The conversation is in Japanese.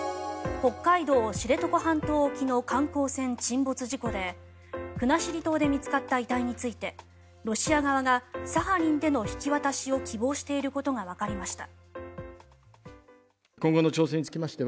北海道・知床半島沖の観光船沈没事故で国後島で見つかった遺体についてロシア側がサハリンでの引き渡しを希望していることがわかりました。